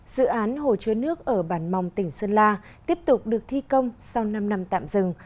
dự án hồ chứa nước ở bản mòng tỉnh sơn la tiếp tục được thi công sau năm năm tạm dừng